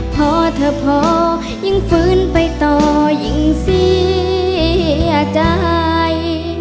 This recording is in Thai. พอเธอพอยิ่งฟื้นไปต่อยิ่งเสียใจ